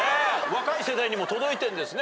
若い世代にも届いてんですね